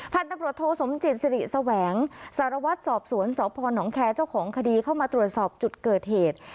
พันธุ์ตำรวจโทสมจิตสิริแสวงสารวัตรสอบสวนสพนแคร์เจ้าของคดีเข้ามาตรวจสอบจุดเกิดเหตุ